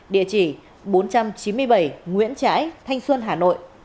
địa chỉ bốn trăm chín mươi bảy nguyễn trãi thanh xuân hà nội